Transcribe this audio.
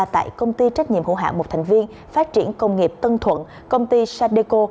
tại công ty trách nhiệm hữu hạng một thành viên phát triển công nghiệp tân thuận công ty sadeco